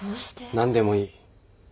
何でもいい。